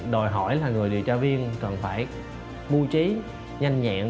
đòi hỏi là người điều tra viên cần phải mưu trí nhanh nhẹn